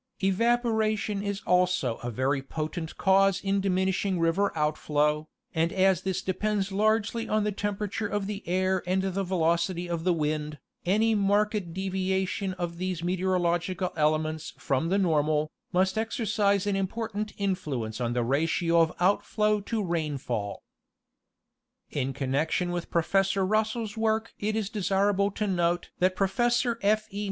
Evaporation is also a very potent cause in diminishing river outflow, and as this depends largely on the temperature of the air and the velocity of the wind, any marked deviation of these meteorological elements from the normal, must exercise an im portant influence on the ratio of outflow to rainfall. 58 National Geographic Magazine. In connection with Professor Russell's work it is desirable to note that Professor F'. E.